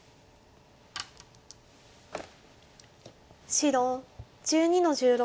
白１２の十六。